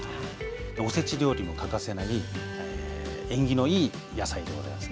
お節料理にも欠かせない縁起のいい野菜でございますね。